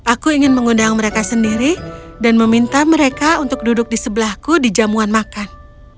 aku ingin mengundang mereka sendiri dan meminta mereka untuk duduk di sebelahku di jamuan makan